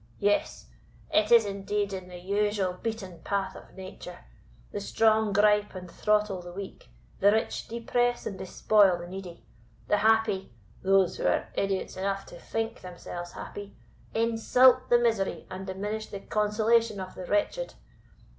yes! it is indeed in the usual beaten path of Nature. The strong gripe and throttle the weak; the rich depress and despoil the needy; the happy (those who are idiots enough to think themselves happy) insult the misery and diminish the consolation of the wretched.